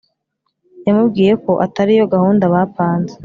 yamubwiyeko atari yo gahunda bapanze